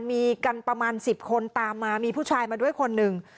มีกันประมาณ๑๐คนตามมามีผู้ชายมาด้วยคนหนึ่ง